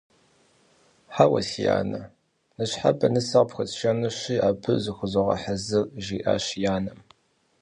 Хьэуэ, си анэ, ныщхьэбэ нысэ къыпхуэсшэнущи, абы зыхузогъэхьэзыр, - жриӀащ и анэм.